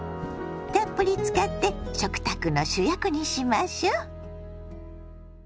たっぷり使って食卓の主役にしましょ。